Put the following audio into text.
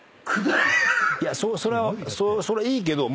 いやそれは。